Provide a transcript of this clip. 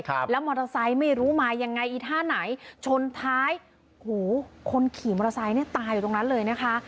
ครับแล้วมอเตอร์ไซค์ไม่รู้มายังไงอีท่าไหนชนท้ายหูคนขี่มอเตอร์ไซค์เนี้ยตายอยู่ตรงนั้นเลยนะคะ